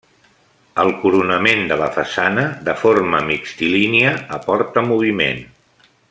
El coronament de la façana de forma mixtilínia aporta moviment.